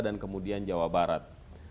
dan kemudian jawa barat